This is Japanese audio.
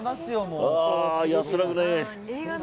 安らぐね。